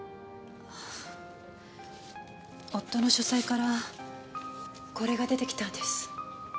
夫の書斎からこれが出てきたんです。